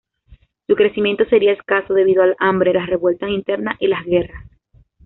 Su crecimiento sería escaso, debido al hambre, las revueltas internas y las guerras.